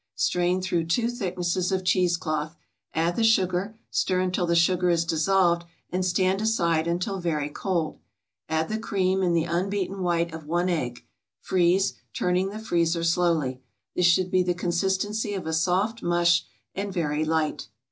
Strain through two thicknesses of cheese cloth, add the sugar, stir until the sugar is dissolved, and stand aside until very cold. Add the cream and the unbeaten white of one egg. Freeze, turning the freezer slowly. This should be the consistency of a soft mush and very light.